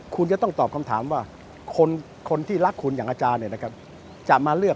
คุณจะต้องตอบคำถามว่าคนที่รักคุณอย่างอาจารย์จะมาเลือก